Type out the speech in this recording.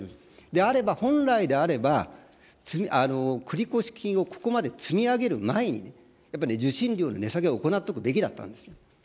であれば、本来であれば、繰越金をここまで積み上げる前に、やっぱり受信料の値下げを行っておくべきだったんですよ。